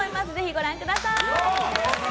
ぜひご覧ください。